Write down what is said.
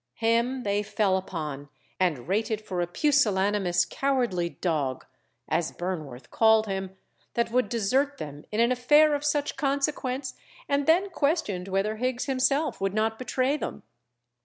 Him they fell upon and rated for a pusilanimous cowardly dog (as Burnworth called him) that would desert them in an affair of such consequence, and then questioned whether Higgs himself would not betray them.